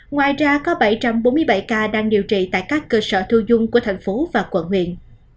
ngoài ra có bảy trăm bốn mươi bảy ca đang điều trị tại các cơ sở thu dung của thành phố và quận huyện